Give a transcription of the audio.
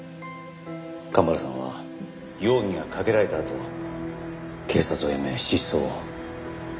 神原さんは容疑がかけられたあと警察を辞め失踪を。